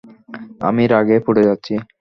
আমি রাগে পুড়ে যাচ্ছি।